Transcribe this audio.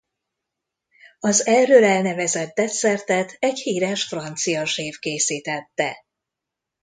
Az erről elnevezett desszertet egy híres francia séf készítette.